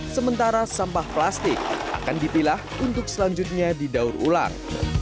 sementara sampah plastik akan dipilah untuk selanjutnya didaur ulang